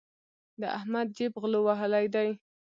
د احمد جېب غلو وهلی دی.